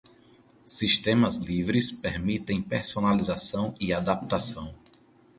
Sistemas livres permitem personalização e adaptação.